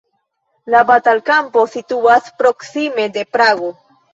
La batalkampo situas proksime de Prago.